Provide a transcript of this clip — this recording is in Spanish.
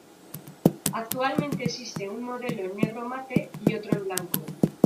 Actualmente existen un modelo en negro mate y otro en blanco.